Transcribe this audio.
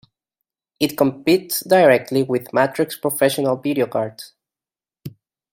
It competes directly with Matrox professional video cards.